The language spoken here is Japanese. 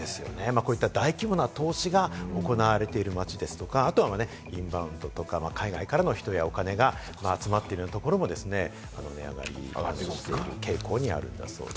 こういった大規模な投資が行われている街ですとか、あとはインバウンドとか、海外からの人やお金が集まっているところも値上がりしている傾向にあるんです。